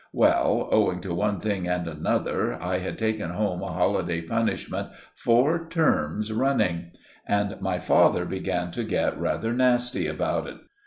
Well, owing to one thing and another, I had taken home a holiday punishment four terms running; and my father began to get rather nasty about it.